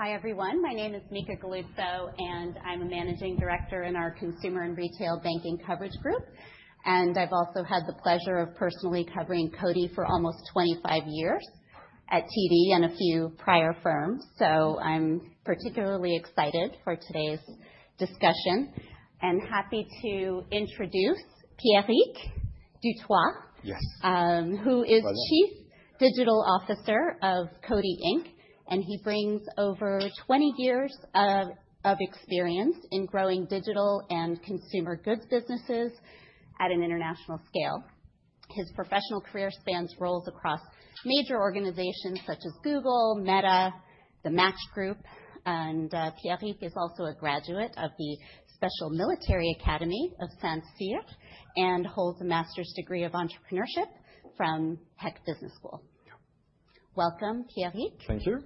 Hi, everyone. My name is Mica Galluzzo, and I'm a Managing Director in our Consumer and Retail Banking coverage group, and I've also had the pleasure of personally covering Coty for almost 25 years at TD and a few prior firms, so I'm particularly excited for today's discussion and happy to introduce Pierric Duthoit. Yes. Who is Chief Digital Officer of Coty Inc, and he brings over 20 years of experience in growing digital and consumer goods businesses at an international scale. His professional career spans roles across major organizations such as Google, Meta, Match Group, and Pierric is also a graduate of the Special Military Academy of Saint-Cyr and holds a Master's Degree of Entrepreneurship from HEC Business School. Welcome, Pierric. Thank you.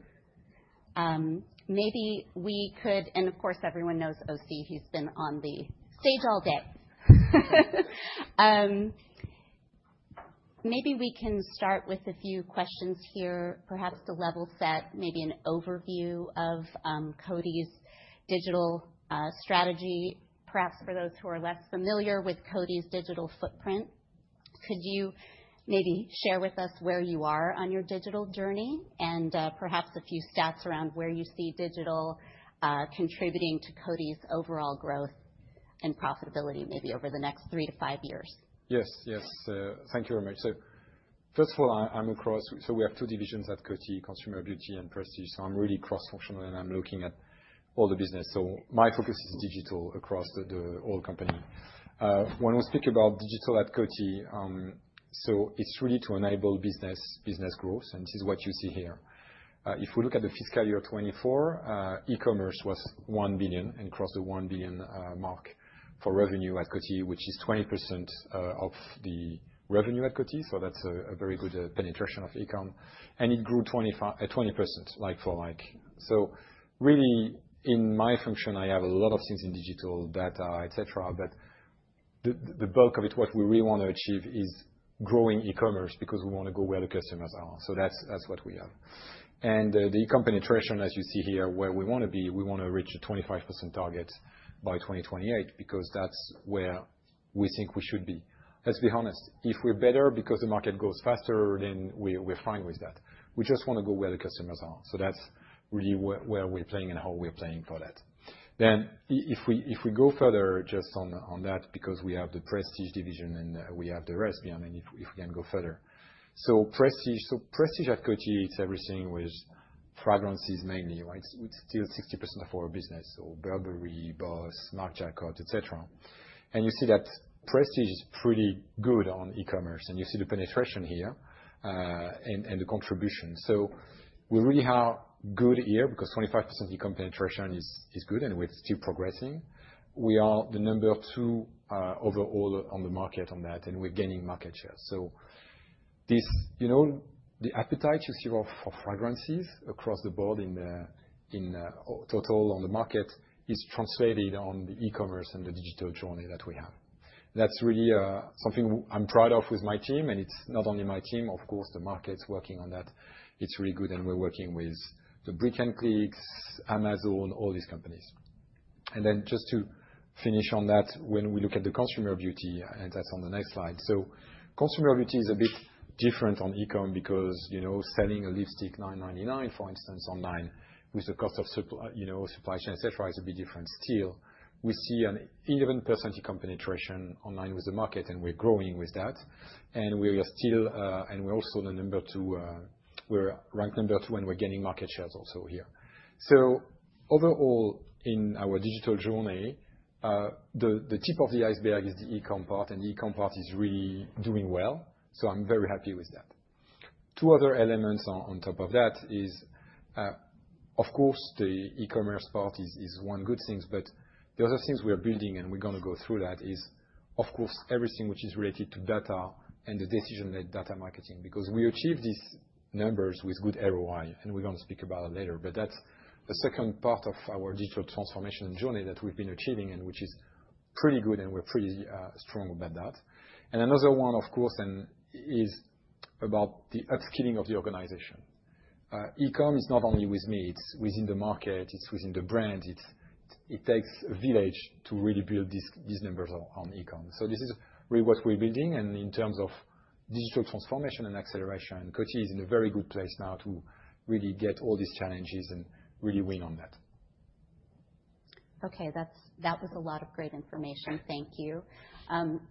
Maybe we could, and of course, everyone knows O.C. He's been on the stage all day. Maybe we can start with a few questions here, perhaps to level set, maybe an overview of Coty's digital strategy, perhaps for those who are less familiar with Coty's digital footprint. Could you maybe share with us where you are on your digital journey and perhaps a few stats around where you see digital contributing to Coty's overall growth and profitability maybe over the next three to five years? Yes, yes. Thank you very much. So first of all, I'm across, so we have two divisions at Coty, Consumer Beauty and Prestige. So I'm really cross-functional, and I'm looking at all the business. So my focus is digital across the whole company. When we speak about digital at Coty, so it's really to enable business` growth. And this is what you see here. If we look at the fiscal year 2024, e-commerce was $1 billion and crossed the $1 billion mark for revenue at Coty, which is 20% of the revenue at Coty. So that's a very good penetration of e-com. And it grew 20%, like for like. So really, in my function, I have a lot of things in digital, data, etc. But the bulk of it, what we really want to achieve is growing e-commerce because we want to go where the customers are. So that's what we have. And the e-com penetration, as you see here, where we want to be, we want to reach a 25% target by 2028 because that's where we think we should be. Let's be honest, if we're better because the market goes faster, then we're fine with that. We just want to go where the customers are. So that's really where we're playing and how we're playing for that. Then if we go further just on that, because we have the Prestige division and we have the rest behind, if we can go further. So Prestige at Coty, it's everything with fragrances mainly, right? It's still 60% of our business, so Burberry, BOSS, Marc Jacobs, etc. And you see that Prestige is pretty good on e-commerce. And you see the penetration here and the contribution. So we really are good here because 25% e-com penetration is good and we're still progressing. We are the number two overall on the market on that, and we're gaining market share. So the appetite you see for fragrances across the board in total on the market is translated on the e-commerce and the digital journey that we have. That's really something I'm proud of with my team. And it's not only my team, of course, the market's working on that. It's really good. And we're working with the bricks and clicks, Amazon, all these companies. And then just to finish on that, when we look at the Consumer Beauty, and that's on the next slide. So Consumer Beauty is a bit different on e-com because selling a lipstick $9.99, for instance, online with the cost of supply chain, etc., is a bit different. Still, we see an 11% e-com penetration online with the market, and we're growing with that, and we are still, and we're also the number two. We're ranked number two, and we're gaining market shares also here, so overall, in our digital journey, the tip of the iceberg is the e-com part, and the e-com part is really doing well, so I'm very happy with that. Two other elements on top of that is, of course, the e-commerce part is one good thing, but the other things we are building, and we're going to go through that, is, of course, everything which is related to data and the decision-led data marketing, because we achieve these numbers with good ROI, and we're going to speak about it later. But that's the second part of our digital transformation journey that we've been achieving, and which is pretty good, and we're pretty strong about that, and another one, of course, then is about the upskilling of the organization. E-com is not only with me, it's within the market, it's within the brand. It takes a village to really build these numbers on e-com, so this is really what we're building, and in terms of digital transformation and acceleration, Coty is in a very good place now to really get all these challenges and really win on that. Okay, that was a lot of great information. Thank you.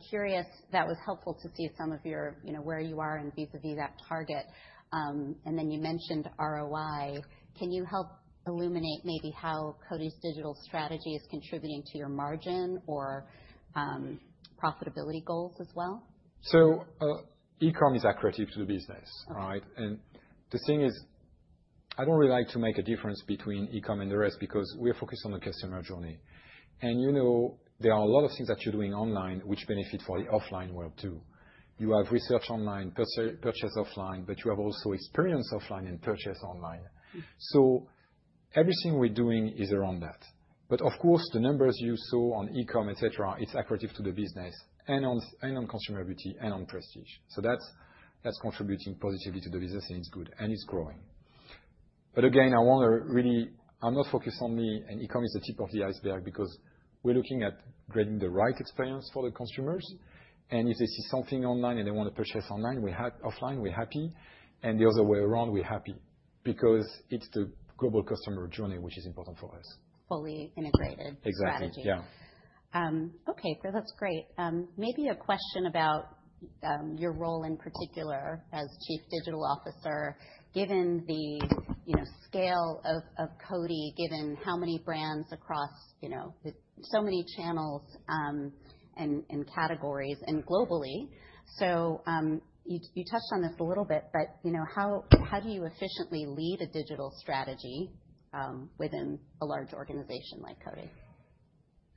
Curious, that was helpful to see some of your where you are and vis-à-vis that target. And then you mentioned ROI. Can you help illuminate maybe how Coty's digital strategy is contributing to your margin or profitability goals as well? So e-com is accurate to the business, right? And the thing is, I don't really like to make a difference between e-com and the rest because we're focused on the customer journey. And there are a lot of things that you're doing online which benefit for the offline world too. You have research online, purchase offline, but you have also experience offline and purchase online. So everything we're doing is around that. But of course, the numbers you saw on e-com, etc., it's accurate to the business and on Consumer Beauty and on Prestige. So that's contributing positively to the business, and it's good, and it's growing. But again, I want to really, I'm not focused on me, and e-com is the tip of the iceberg because we're looking at creating the right experience for the consumers. If they see something online and they want to purchase online, we're happy. The other way around, we're happy because it's the global customer journey which is important for us. Fully integrated strategy. Exactly. Yeah. Okay, that's great. Maybe a question about your role in particular as Chief Digital Officer, given the scale of Coty, given how many brands across so many channels and categories and globally. So you touched on this a little bit, but how do you efficiently lead a digital strategy within a large organization like Coty?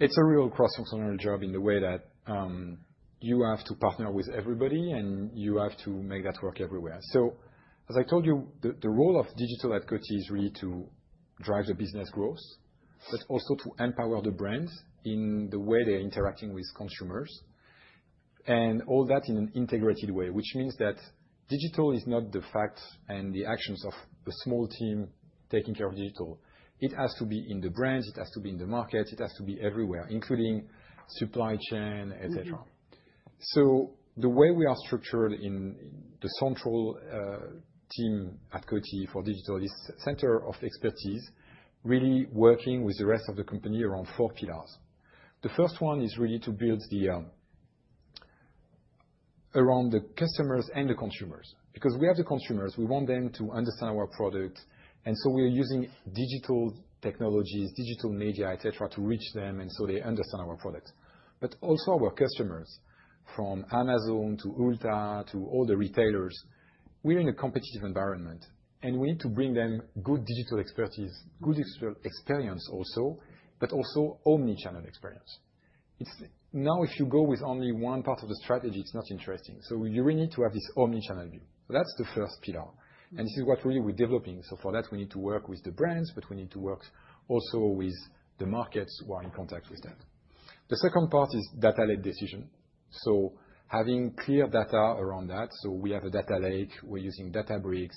It's a real cross-functional job in the way that you have to partner with everybody, and you have to make that work everywhere. So as I told you, the role of digital at Coty is really to drive the business growth, but also to empower the brands in the way they're interacting with consumers. And all that in an integrated way, which means that digital is not the fact and the actions of a small team taking care of digital. It has to be in the brands. It has to be in the market. It has to be everywhere, including supply chain, etc. So the way we are structured in the central team at Coty for digital is center of expertise, really working with the rest of the company around four pillars. The first one is really to build around the customers and the consumers. Because we have the consumers, we want them to understand our product, and so we're using digital technologies, digital media, etc., to reach them and so they understand our products, but also our customers, from Amazon to Ulta to all the retailers, we're in a competitive environment, and we need to bring them good digital expertise, good digital experience also, but also omnichannel experience. Now, if you go with only one part of the strategy, it's not interesting, so you really need to have this omnichannel view, so that's the first pillar, and this is what really we're developing, so for that, we need to work with the brands, but we need to work also with the markets who are in contact with that. The second part is data-led decision, so having clear data around that, so we have a data lake. We're using Databricks.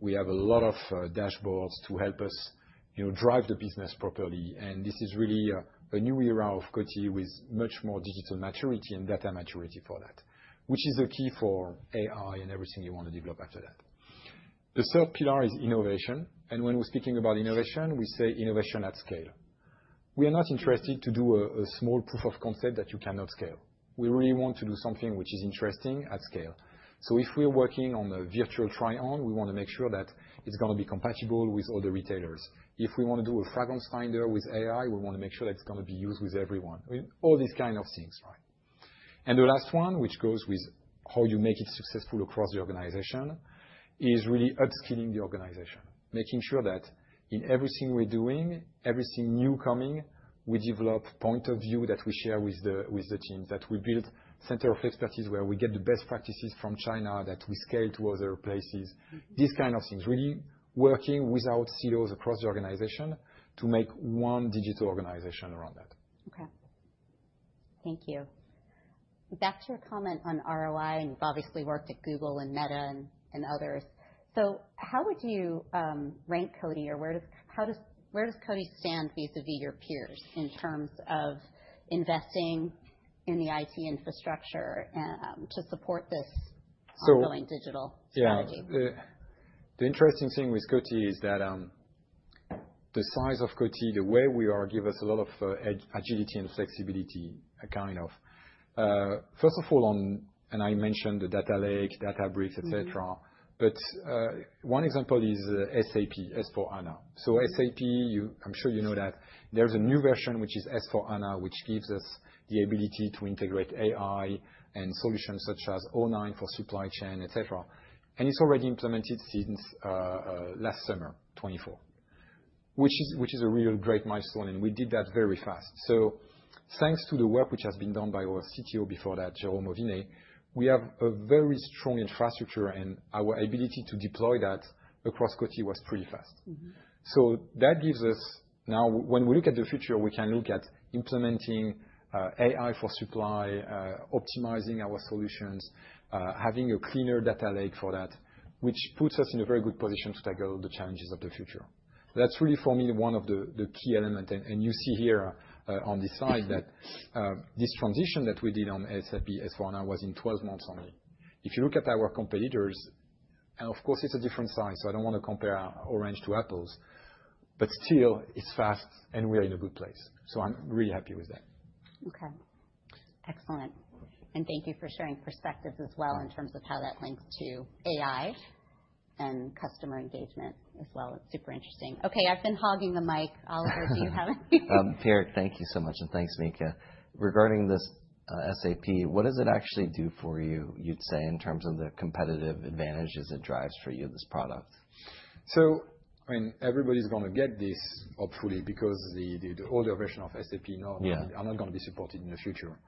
We have a lot of dashboards to help us drive the business properly, and this is really a new era of Coty with much more digital maturity and data maturity for that, which is the key for AI and everything you want to develop after that. The third pillar is innovation, and when we're speaking about innovation, we say innovation at scale. We are not interested to do a small proof of concept that you cannot scale. We really want to do something which is interesting at scale, so if we're working on a virtual try-on, we want to make sure that it's going to be compatible with all the retailers. If we want to do a fragrance finder with AI, we want to make sure that it's going to be used with everyone. All these kinds of things, right? And the last one, which goes with how you make it successful across the organization, is really upskilling the organization, making sure that in everything we're doing, everything new coming, we develop points of view that we share with the team, that we build a center of expertise where we get the best practices from China, that we scale to other places, these kinds of things. Really working without silos across the organization to make one digital organization around that. Okay. Thank you. Back to your comment on ROI, and you've obviously worked at Google and Meta and others, so how would you rank Coty, or how does Coty stand vis-à-vis your peers in terms of investing in the IT infrastructure to support this ongoing digital strategy? The interesting thing with Coty is that the size of Coty, the way we are, gives us a lot of agility and flexibility, kind of. First of all, and I mentioned the data lake, Databricks, etc. But one example is SAP S/4HANA. So SAP, I'm sure you know that. There's a new version which is S/4HANA, which gives us the ability to integrate AI and solutions such as o9 for supply chain, etc. And it's already implemented since last summer, 2024, which is a real great milestone, and we did that very fast. So thanks to the work which has been done by our CDO before that, Jérôme Auvinet, we have a very strong infrastructure, and our ability to deploy that across Coty was pretty fast. That gives us now, when we look at the future, we can look at implementing AI for supply, optimizing our solutions, having a cleaner data lake for that, which puts us in a very good position to tackle the challenges of the future. That's really, for me, one of the key elements. You see here on this slide that this transition that we did on SAP S/4HANA was in 12 months only. If you look at our competitors, and of course, it's a different size, so I don't want to compare apples to oranges, but still, it's fast, and we are in a good place. I'm really happy with that. Okay. Excellent. And thank you for sharing perspectives as well in terms of how that links to AI and customer engagement as well. It's super interesting. Okay, I've been hogging the mic. Oliver, do you have any? Pierric, thank you so much. And thanks, Mica. Regarding this SAP, what does it actually do for you, you'd say, in terms of the competitive advantages it drives for you, this product? I mean, everybody's going to get this, hopefully, because the older version of SAP are not going to be supported in the future.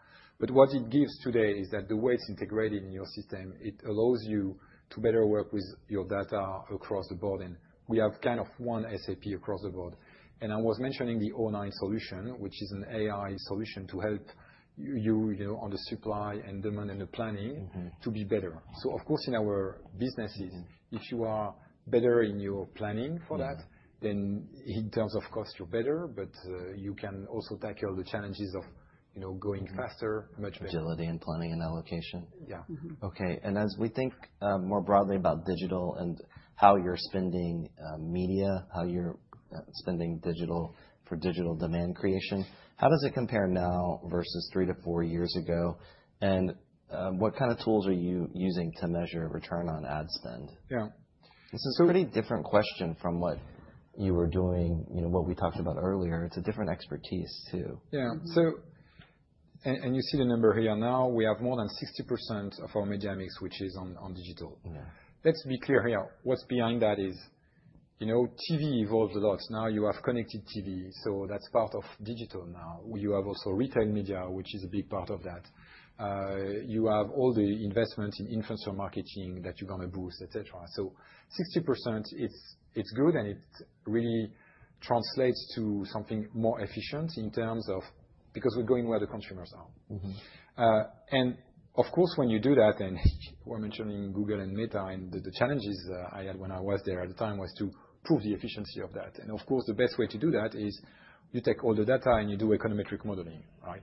But what it gives today is that the way it's integrated in your system, it allows you to better work with your data across the board, and we have kind of one SAP across the board. I was mentioning the o9 Solutions, which is an AI solution to help you on the supply and demand and the planning to be better. Of course, in our businesses, if you are better in your planning for that, then in terms of cost, you're better, but you can also tackle the challenges of going faster, much better. Agility and planning and allocation. Yeah. Okay. And as we think more broadly about digital and how you're spending media, how you're spending digital for digital demand creation, how does it compare now versus three to four years ago? And what kind of tools are you using to measure return on ad spend? Yeah. This is a pretty different question from what you were doing, what we talked about earlier. It's a different expertise too. Yeah. And you see the number here now. We have more than 60% of our media mix which is on digital. Let's be clear here. What's behind that is TV evolves a lot. Now you have connected TV, so that's part of digital now. You have also retail media, which is a big part of that. You have all the investments in influencer marketing that you're going to boost, etc. So 60%, it's good, and it really translates to something more efficient in terms of because we're going where the consumers are. And of course, when you do that, and we're mentioning Google and Meta, and the challenges I had when I was there at the time was to prove the efficiency of that. And of course, the best way to do that is you take all the data and you do econometric modeling, right?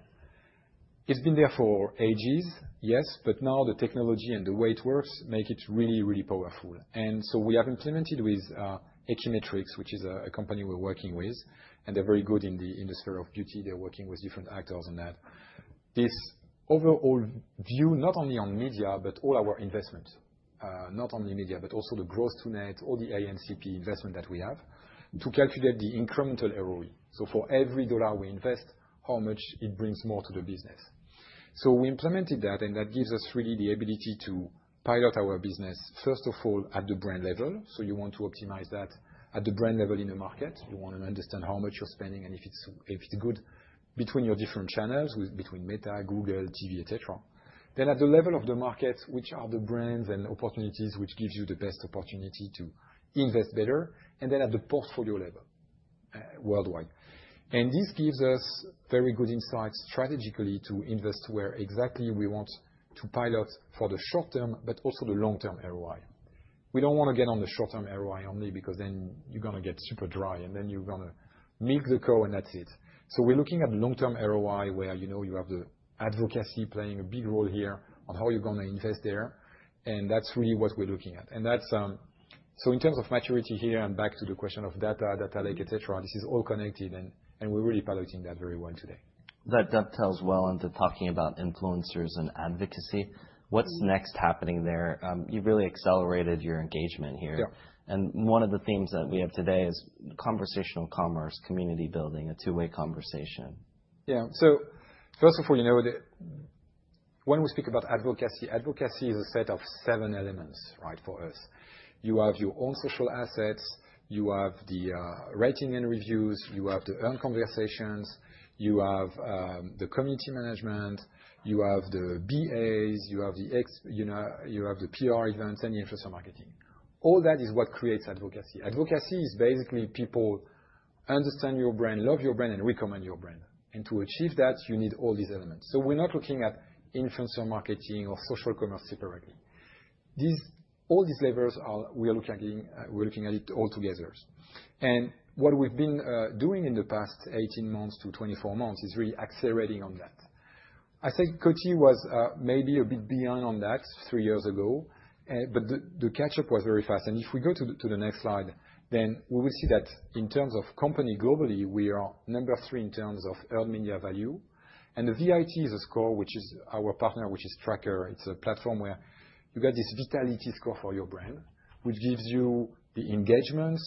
It's been there for ages, yes, but now the technology and the way it works make it really, really powerful. And so we have implemented with Ekimetrics, which is a company we're working with, and they're very good in the sphere of beauty. They're working with different actors on that. This overall view, not only on media, but all our investments, not only media, but also the gross to net, all the A&CP investment that we have to calculate the incremental ROI. So for every dollar we invest, how much it brings more to the business. So we implemented that, and that gives us really the ability to pilot our business, first of all, at the brand level. So you want to optimize that at the brand level in a market. You want to understand how much you're spending and if it's good between your different channels, between Meta, Google, TV, etc., then at the level of the market, which are the brands and opportunities which give you the best opportunity to invest better, and then at the portfolio level worldwide, and this gives us very good insights strategically to invest where exactly we want to pilot for the short term, but also the long-term ROI. We don't want to get on the short-term ROI only because then you're going to get super dry, and then you're going to milk the cow and that's it, so we're looking at long-term ROI where you have the advocacy playing a big role here on how you're going to invest there, and that's really what we're looking at. In terms of maturity here, and back to the question of data, data lake, etc., this is all connected, and we're really piloting that very well today. That dovetails well into talking about influencers and advocacy. What's next happening there? You've really accelerated your engagement here. And one of the themes that we have today is conversational commerce, community building, a two-way conversation. Yeah. So first of all, when we speak about advocacy, advocacy is a set of seven elements for us. You have your own social assets. You have the rating and reviews. You have the earned conversations. You have the community management. You have the BAs. You have the PR events and the influencer marketing. All that is what creates advocacy. Advocacy is basically people understand your brand, love your brand, and recommend your brand. And to achieve that, you need all these elements. So we're not looking at influencer marketing or social commerce separately. All these levers, we're looking at it all together. And what we've been doing in the past 18 months-24 months is really accelerating on that. I say Coty was maybe a bit behind on that three years ago, but the catch-up was very fast. If we go to the next slide, then we will see that in terms of company globally, we are number three in terms of earned media value. The VIT is a score which is our partner, which is Traackr. It's a platform where you get this vitality score for your brand, which gives you the engagements,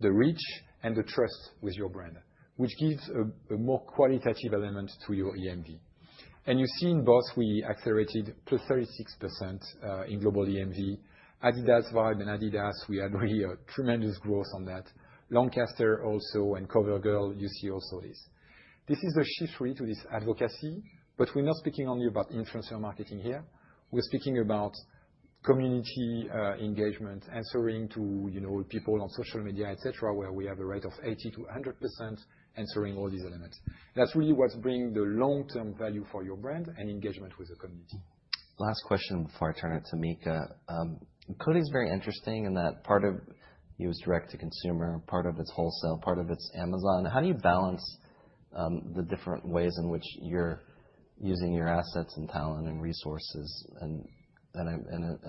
the reach, and the trust with your brand, which gives a more qualitative element to your EMV. You see in BOSS, we accelerated +36% in global EMV. Adidas Vibe and Adidas, we had really a tremendous growth on that. Lancaster also and CoverGirl, you see also this. This is a shift really to this advocacy, but we're not speaking only about influencer marketing here. We're speaking about community engagement, answering to people on social media, etc., where we have a rate of 80%-100% answering all these elements. That's really what's bringing the long-term value for your brand and engagement with the community. Last question before I turn it to Mica. Coty is very interesting in that part of you is direct-to-consumer, part of it's wholesale, part of it's Amazon. How do you balance the different ways in which you're using your assets and talent and resources in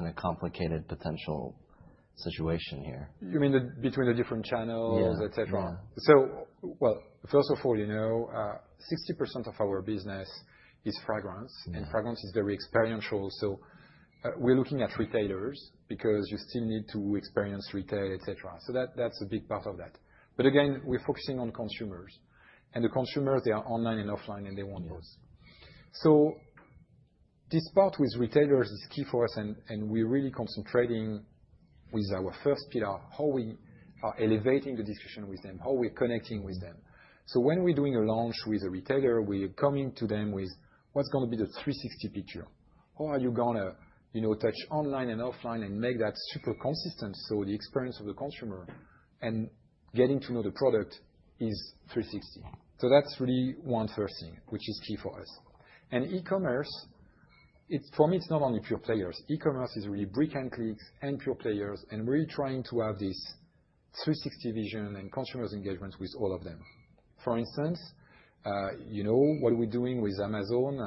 a complicated potential situation here? You mean between the different channels, etc? Yeah. So well, first of all, 60% of our business is fragrance, and fragrance is very experiential. So we're looking at retailers because you still need to experience retail, etc. So that's a big part of that. But again, we're focusing on consumers. And the consumers, they are online and offline, and they want both. So this part with retailers is key for us, and we're really concentrating with our first pillar, how we are elevating the discussion with them, how we're connecting with them. So when we're doing a launch with a retailer, we are coming to them with what's going to be the 360 picture. How are you going to touch online and offline and make that super consistent so the experience of the consumer and getting to know the product is 360? So that's really one first thing, which is key for us. E-commerce, for me, it's not only pure players. E-commerce is really bricks and clicks and pure players, and we're really trying to have this 360 vision and consumers' engagement with all of them. For instance, what are we doing with Amazon?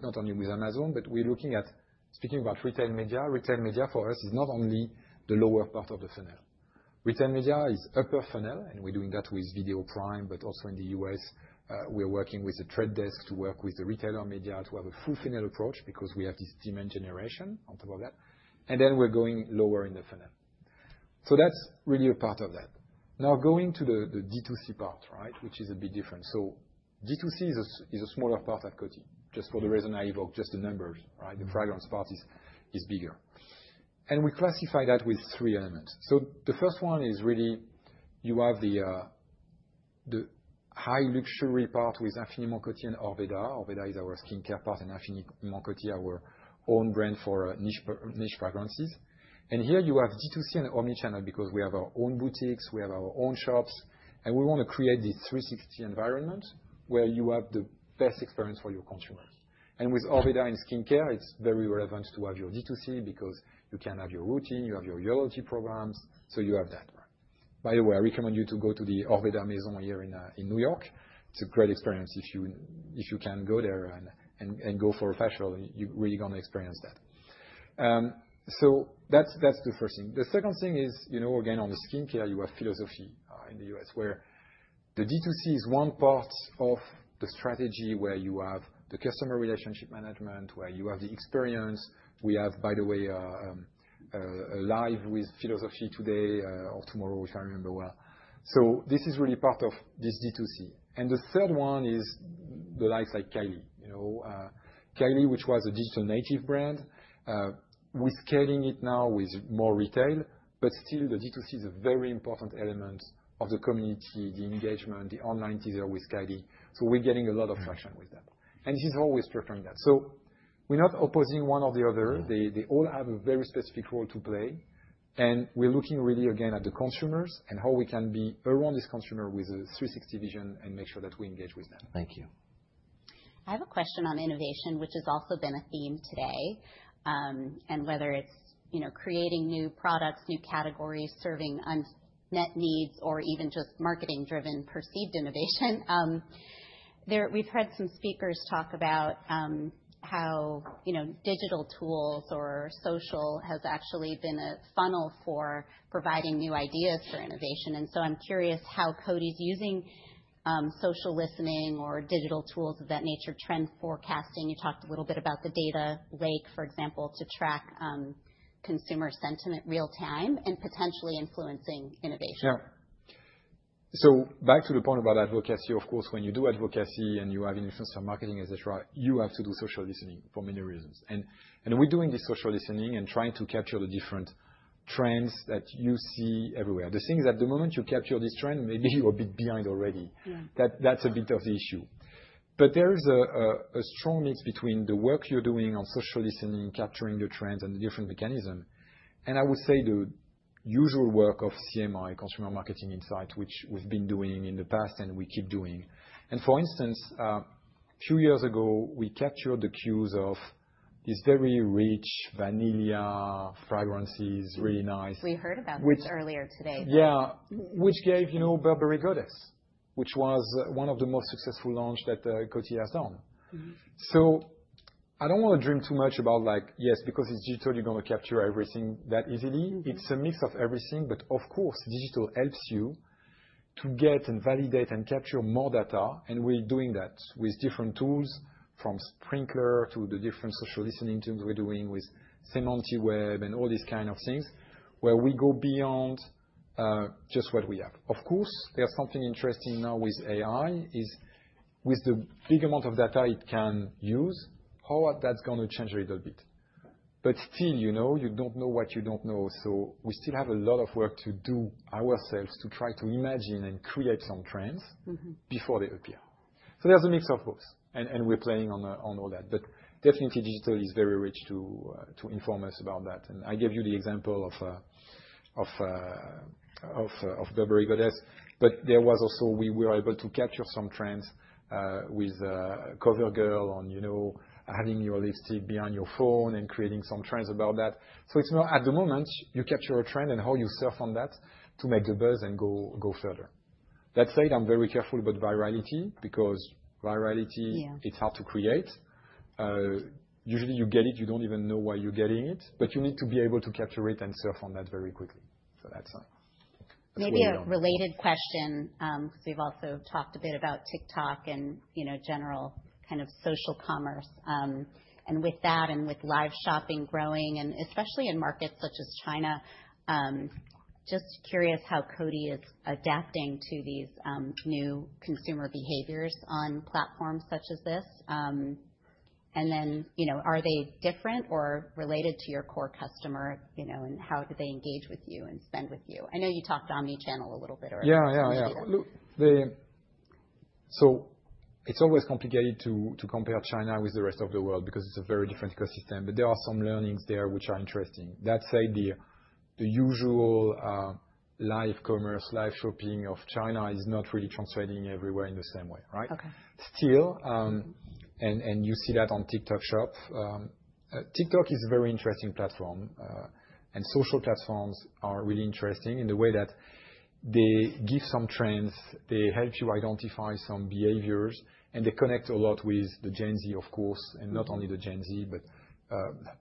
Not only with Amazon, but we're looking at speaking about retail media. Retail media for us is not only the lower part of the funnel. Retail media is upper funnel, and we're doing that with Prime Video, but also in the U.S., we're working with The Trade Desk to work with the retail media to have a full funnel approach because we have this demand generation on top of that. Then we're going lower in the funnel. That's really a part of that. Now going to the D2C part, which is a bit different. So, D2C is a smaller part of Coty just for the reason I evoked just the numbers. The fragrance part is bigger. And we classify that with three elements. So the first one is really you have the high luxury part with Infiniment Coty and Orveda. Orveda is our skincare part and Infiniment Coty, our own brand for niche fragrances. And here you have D2C and omnichannel because we have our own boutiques, we have our own shops, and we want to create this 360 environment where you have the best experience for your consumers. And with Orveda in skincare, it's very relevant to have your D2C because you can have your routine, you have your loyalty programs, so you have that. By the way, I recommend you to go to the Orveda Maison here in New York. It's a great experience. If you can go there and go for a fashion, you're really going to experience that. So that's the first thing. The second thing is, again, on the skincare, you have Philosophy in the U.S., where the D2C is one part of the strategy where you have the customer relationship management, where you have the experience. We have, by the way, a live with Philosophy today or tomorrow, if I remember well. So this is really part of this D2C. And the third one is the likes like Kylie. Kylie, which was a digital native brand, we're scaling it now with more retail, but still the D2C is a very important element of the community, the engagement, the online teaser with Kylie. So we're getting a lot of traction with that. And this is how we're structuring that. So we're not opposing one or the other. They all have a very specific role to play, and we're looking really, again, at the consumers and how we can be around this consumer with a 360 vision and make sure that we engage with them. Thank you. I have a question on innovation, which has also been a theme today, and whether it's creating new products, new categories, serving unmet needs, or even just marketing-driven perceived innovation. We've heard some speakers talk about how digital tools or social has actually been a funnel for providing new ideas for innovation, and so I'm curious how Coty's using social listening or digital tools of that nature, trend forecasting. You talked a little bit about the data lake, for example, to track consumer sentiment real-time and potentially influencing innovation. Yeah. So back to the point about advocacy, of course, when you do advocacy and you have influencer marketing, etc., you have to do social listening for many reasons. And we're doing this social listening and trying to capture the different trends that you see everywhere. The thing is, at the moment you capture this trend, maybe you're a bit behind already. That's a bit of the issue. But there is a strong mix between the work you're doing on social listening, capturing the trends, and the different mechanisms. And I would say the usual work of CMI, Consumer Marketing Insight, which we've been doing in the past and we keep doing. And for instance, a few years ago, we captured the cues of these very rich vanilla fragrances, really nice. We heard about this earlier today. Yeah, which gave Burberry Goddess, which was one of the most successful launches that Coty has done. So I don't want to dream too much about, yes, because it's digital, you're going to capture everything that easily. It's a mix of everything, but of course, digital helps you to get and validate and capture more data, and we're doing that with different tools, from Sprinklr to the different social listening tools we're doing with Semantiweb and all these kinds of things, where we go beyond just what we have. Of course, there's something interesting now with AI, is with the big amount of data it can use, how that's going to change a little bit, but still, you don't know what you don't know, so we still have a lot of work to do ourselves to try to imagine and create some trends before they appear. So there's a mix of both, and we're playing on all that. But definitely, digital is very rich to inform us about that. And I gave you the example of Burberry Goddess, but there was also we were able to capture some trends with CoverGirl on having your lipstick behind your phone and creating some trends about that. So at the moment, you capture a trend and how you surf on that to make the buzz and go further. That said, I'm very careful about virality because virality, it's hard to create. Usually, you get it. You don't even know why you're getting it, but you need to be able to capture it and surf on that very quickly. So that's all. Maybe a related question because we've also talked a bit about TikTok and general kind of social commerce. And with that and with live shopping growing, and especially in markets such as China, just curious how Coty is adapting to these new consumer behaviors on platforms such as this? And then are they different or related to your core customer? And how do they engage with you and spend with you? I know you talked omnichannel a little bit earlier. Yeah, yeah, yeah. So it's always complicated to compare China with the rest of the world because it's a very different ecosystem, but there are some learnings there which are interesting. That said, the usual live commerce, live shopping of China is not really translating everywhere in the same way. Still, and you see that on TikTok Shop, TikTok is a very interesting platform. And social platforms are really interesting in the way that they give some trends, they help you identify some behaviors, and they connect a lot with the Gen Z, of course, and not only the Gen Z, but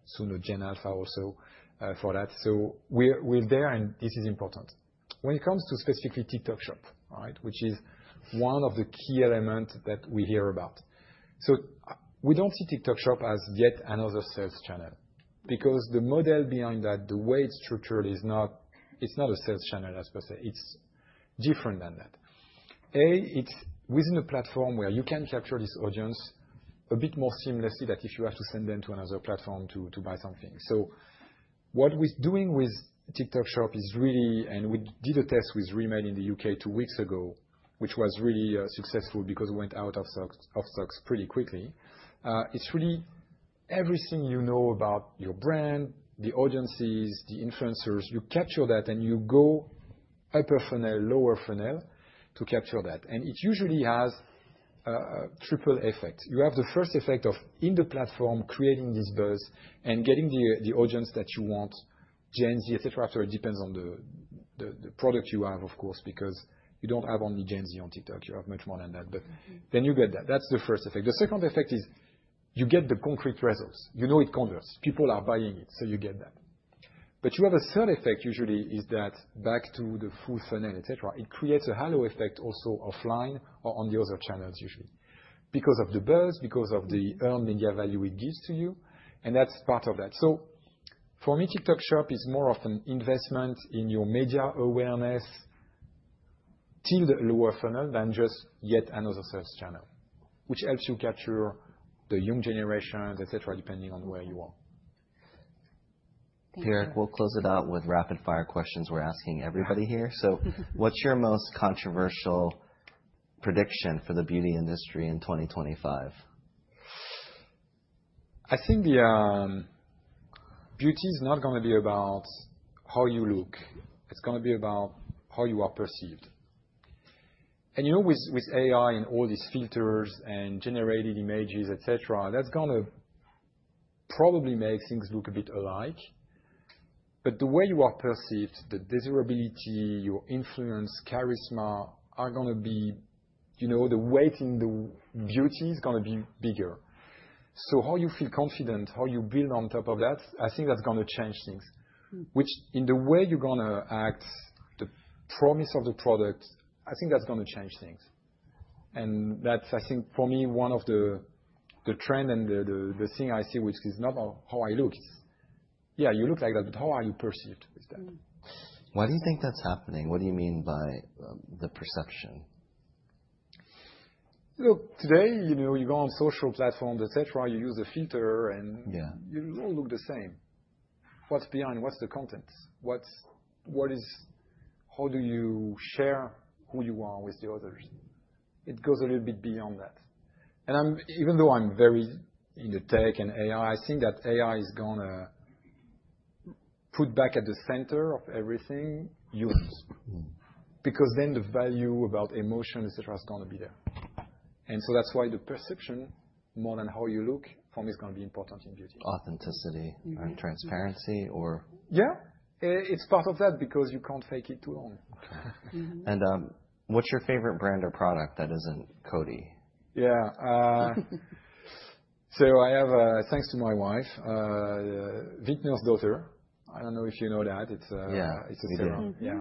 sooner Gen Alpha also for that. So we're there, and this is important. When it comes to specifically TikTok Shop, which is one of the key elements that we hear about. So we don't see TikTok Shop as yet another sales channel because the model behind that, the way it's structured, it's not a sales channel, let's say. It's different than that. A, it's within a platform where you can capture this audience a bit more seamlessly than if you have to send them to another platform to buy something. So what we're doing with TikTok Shop is really, and we did a test with Rimmel in the U.K. two weeks ago, which was really successful because we went out of stock pretty quickly. It's really everything you know about your brand, the audiences, the influencers, you capture that, and you go upper funnel, lower funnel to capture that. And it usually has a triple effect. You have the first effect of in the platform creating this buzz and getting the audience that you want, Gen Z, etc. So it depends on the product you have, of course, because you don't have only Gen Z on TikTok. You have much more than that. But then you get that. That's the first effect. The second effect is you get the concrete results. You know it converts. People are buying it, so you get that. But you have a third effect usually is that back to the full funnel, etc. It creates a halo effect also offline or on the other channels usually because of the buzz, because of the earned media value it gives to you. And that's part of that. So for me, TikTok Shop is more of an investment in your media awareness till the lower funnel than just yet another sales channel, which helps you capture the young generations, etc., depending on where you are. Pierric, we'll close it out with rapid-fire questions. We're asking everybody here. So what's your most controversial prediction for the beauty industry in 2025? I think beauty is not going to be about how you look. It's going to be about how you are perceived. And with AI and all these filters and generated images, etc., that's going to probably make things look a bit alike. But the way you are perceived, the desirability, your influence, charisma are going to be the weight in the beauty is going to be bigger. So how you feel confident, how you build on top of that, I think that's going to change things, which in the way you're going to act, the promise of the product, I think that's going to change things. And that's, I think, for me, one of the trends and the thing I see, which is not how I look. Yeah, you look like that, but how are you perceived with that? Why do you think that's happening? What do you mean by the perception? Look, today you go on social platforms, etc. You use a filter, and you don't look the same. What's behind? What's the content? How do you share who you are with the others? It goes a little bit beyond that, and even though I'm very into tech and AI, I think that AI is going to put humans back at the center of everything because then the value about emotion, etc., is going to be there, and so that's why the perception more than how you look, for me, is going to be important in beauty. Authenticity and transparency, or? Yeah. It's part of that because you can't fake it too long. Okay, and what's your favorite brand or product that isn't Coty? Yeah, so I have, thanks to my wife, Vintner's Daughter. I don't know if you know that. It's a serum. Yeah.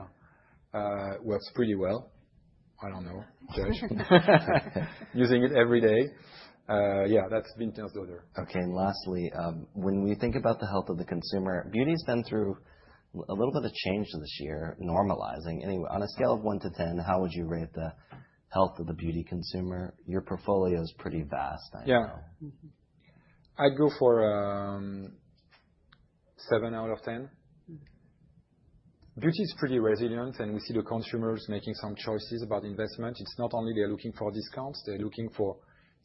Works pretty well. I don't know. Judge. Using it every day. Yeah, that's Vintner's Daughter. Okay, and lastly, when we think about the health of the consumer, beauty has been through a little bit of change this year, normalizing. Anyway, on a scale of 1-10, how would you rate the health of the beauty consumer? Your portfolio is pretty vast, I know. Yeah. I'd go for seven out of 10. Beauty is pretty resilient, and we see the consumers making some choices about investment. It's not only they're looking for discounts. They're looking for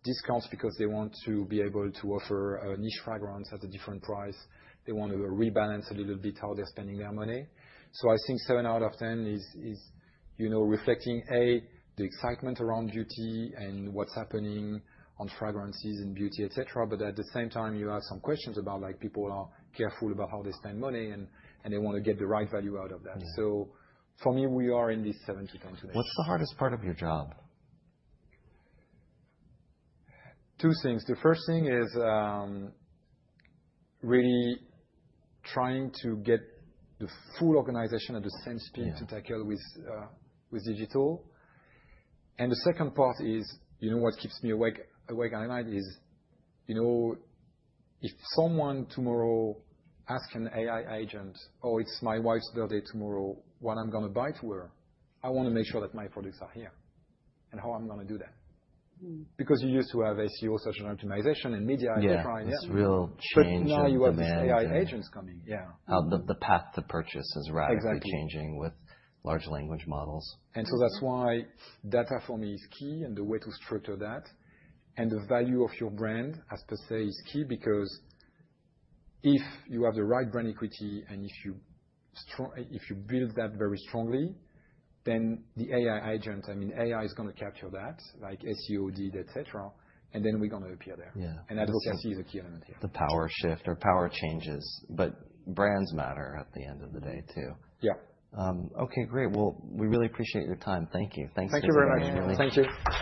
discounts because they want to be able to afford niche fragrance at a different price. They want to rebalance a little bit how they're spending their money. So I think seven out of 10 is reflecting, A, the excitement around beauty and what's happening on fragrances and beauty, etc. But at the same time, you have some questions about people are careful about how they spend money, and they want to get the right value out of that. So for me, we are in this seven to 10 today. What's the hardest part of your job? Two things. The first thing is really trying to get the full organization at the same speed to tackle with digital. And the second part is what keeps me awake at night is if someone tomorrow asks an AI agent, "Oh, it's my wife's birthday tomorrow. What I'm going to buy to her?" I want to make sure that my products are here and how I'm going to do that. Because you used to have SEO, Search Engine Optimization, and media and that. Yeah. It's real changing. But now you have these AI agents coming. Yeah. The path to purchase is rapidly changing with large language models. That's why data for me is key and the way to structure that. The value of your brand, per se, is key because if you have the right brand equity and if you build that very strongly, then the AI agent, I mean, AI is going to capture that, like SEO did, etc. Then we're going to appear there. Advocacy is a key element here. The power shift or power changes, but brands matter at the end of the day, too. Yeah. Okay. Great. Well, we really appreciate your time. Thank you. Thanks for speaking with me. Thank you very much. Thank you.